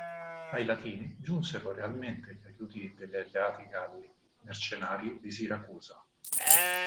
Ai Latini giunsero realmente gli aiuti degli alleati Galli, mercenari di Siracusa.